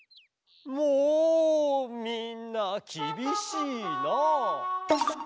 もうみんなきびしいな！